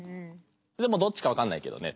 でもどっちか分かんないけどね。